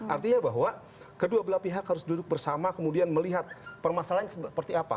artinya bahwa kedua belah pihak harus duduk bersama kemudian melihat permasalahan seperti apa